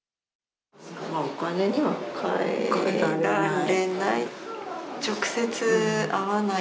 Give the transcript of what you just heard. お金には代えられない。